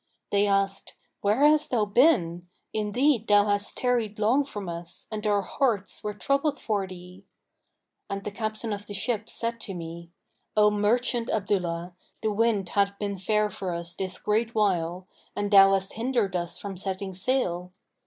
They asked, 'Where hast thou been? Indeed thou hast tarried long from us, and our hearts were troubled for thee.' And the captain of the ship said to me, 'O merchant Abdullah, the wind hath been fair for us this great while, and thou hast hindered us from setting sail.'